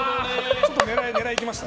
ちょっと狙いに行きました。